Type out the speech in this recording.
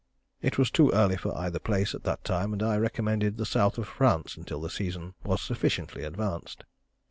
It was too early for either place at that time, and I recommended the south of France until the season was sufficiently advanced.